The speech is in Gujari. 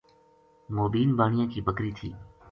موبین بانیا کی بکری تھی